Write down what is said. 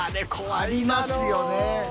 ありますよね。